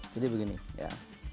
jadi begini ya